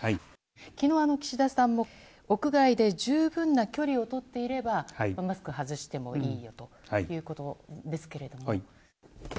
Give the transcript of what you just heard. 昨日、岸田さんも屋外で十分な距離をとっていればマスクを外してもいいということですけど。